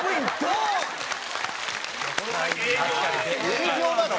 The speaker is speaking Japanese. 営業なの？